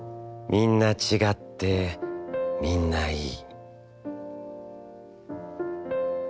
みんなちがって、みんないい」。